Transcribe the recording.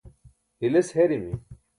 hiles herimi